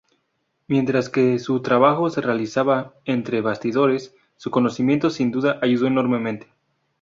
Mientras que su trabajo se realizaba entre bastidores, su conocimiento sin duda ayudó enormemente.